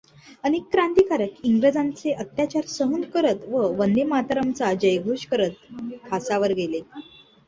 अनेक क्रांतिकारक इंग्रजांचे अत्याचार सहन करत व वंदेमातरमचा जयघोष करत फासावर गेले.